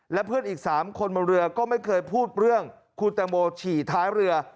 และเพื่อนอีก๓คนบนเรือก็ไม่เคยพูดเรื่องคุณแตงโมฉี่ท้ายเรือ